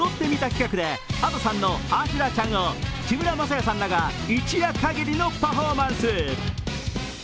企画でＡｄｏさんの「阿修羅ちゃん」を木村柾哉さんらが一夜限りのパフォーマンス。